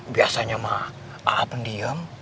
biasanya mah a pendiem